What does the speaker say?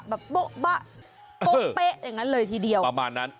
โบ๊ะโป๊ะเป๊ะอย่างนั้นเลยทีเดียวประมาณนั้น